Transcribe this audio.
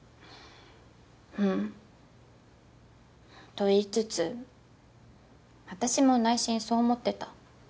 と言いつつ私も内心そう思ってた。